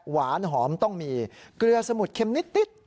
หวานหอมต้องมีเกลือสมุดเข็มนิด